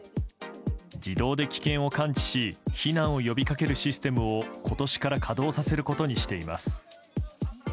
自動で危険を感知し避難を呼びかけるシステムを今年から稼働させることにしています。